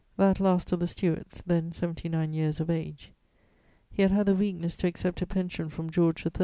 that last of the Stuarts, then seventy nine years of age. He had had the weakness to accept a pension from George III.